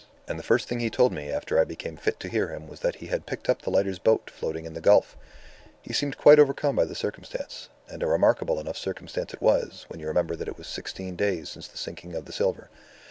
And the first thing he told me after I became fit to hear him was that he had picked up the lighter's boat floating in the gulf! He seemed quite overcome by the circumstance. And a remarkable enough circumstance it was, when you remember that it was then sixteen days since the sinking of the silver.